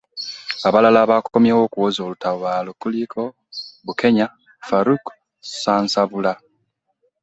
Abalala abakomyewo okuwoza olutabaalo kuliko; Bukenya Farouk Sansabula